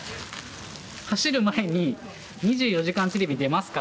走る前に、２４時間テレビ出ますか？